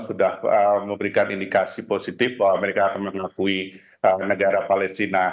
sudah memberikan indikasi positif bahwa mereka akan mengakui negara palestina